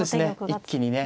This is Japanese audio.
一気にね。